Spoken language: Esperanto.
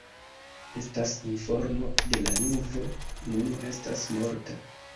Estas informo ke la lingvo nun estas morta.